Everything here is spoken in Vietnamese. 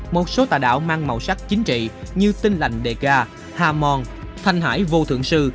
một số tà đạo mang màu sắc chính trị như tinh lành đệ ca hà mon thanh hải vô thượng sư